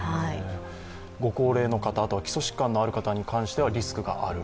ご高齢の方、基礎疾患のある方に関してはリスクがある。